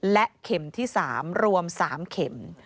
และเข็มที่๓รวม๓เข็ม